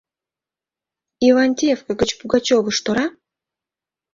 — Ивантеевка гыч Пугачёвыш тора?